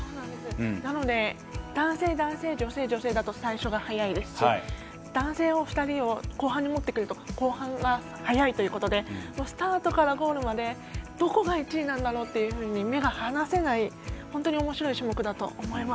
なので男性、男性、女性、女性だと最初が速いですし、男性２人を後半に持ってくると後半が速いということでスタートからゴールまでどこが１位なんだろうと目が離せない、本当におもしろい種目だと思います。